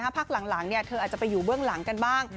พักหลังเธออาจจะไปอยู่เบื้องหลังกันบ้าง